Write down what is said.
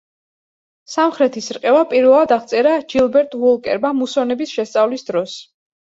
სამხრეთის რყევა პირველად აღწერა ჯილბერტ უოლკერმა მუსონების შესწავლის დროს.